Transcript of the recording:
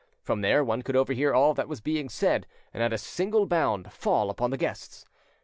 From there one could overhear all that was being said, and at a single bound fall upon the guests.